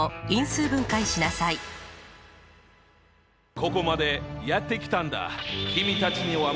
ここまでやってきたんだ。